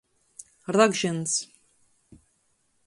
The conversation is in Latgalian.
Ragžyns.